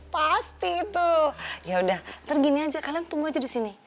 pasti tuh yaudah ntar gini aja kalian tunggu aja di sini